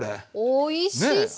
おいしそう！